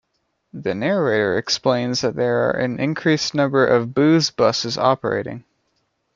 The narrator explains that there are an increased number of booze buses operating.